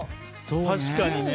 確かにね。